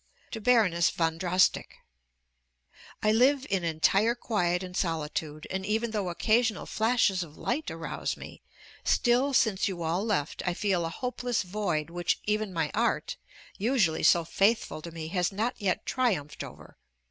TO BARONESS VON DROSSDICK I live in entire quiet and solitude; and even though occasional flashes of light arouse me, still since you all left, I feel a hopeless void which even my art, usually so faithful to me, has not yet triumphed over.